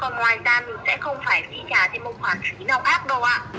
còn ngoài ra mình sẽ không phải trị giá trên một khoản phí nào khác đâu ạ